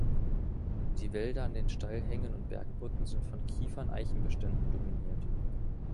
Die Wälder an den Steilhängen und Bergrücken sind von Kiefern-Eichenbeständen dominiert.